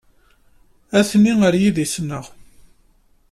Ha-ten-i ɣer yidis-nneɣ.